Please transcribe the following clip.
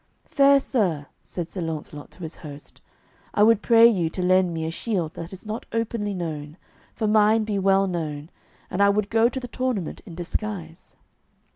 "Fair sir," said Sir Launcelot to his host, "I would pray you to lend me a shield that is not openly known, for mine be well known, and I would go to the tournament in disguise."